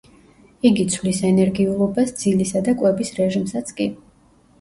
იგი ცვლის ენერგიულობას, ძილისა და კვების რეჟიმსაც კი.